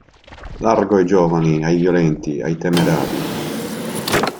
Largo ai giovani, ai violenti, ai temerari!